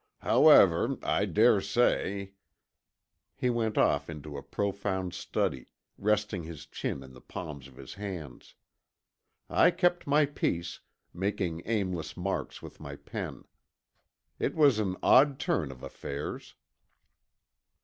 However—I daresay——" He went off into a profound study, resting his chin in the palms of his hands. I kept my peace, making aimless marks with my pen. It was an odd turn of affairs.